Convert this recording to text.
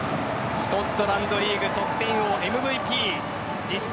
スコットランドリーグ得点王ＭＶＰ実績